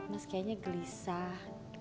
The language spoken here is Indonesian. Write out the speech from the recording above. mas kayaknya gelisah